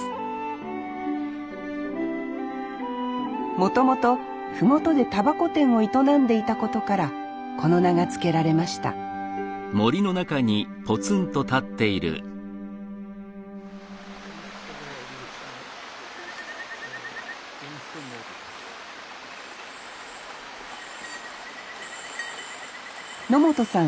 もともと麓で煙草店を営んでいたことからこの名が付けられました野本さん